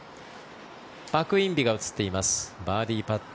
パク・インビが映っていますバーディーパット。